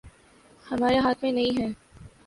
ہمارے ہاتھ میں نہیں ہے